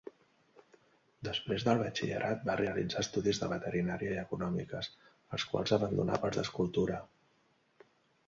Després del batxillerat va realitzar estudis de veterinària i econòmiques, els quals abandonà pels d'escultura.